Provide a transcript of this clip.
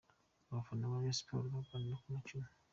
Abafana ba Rayon Sports baganira ku mukino.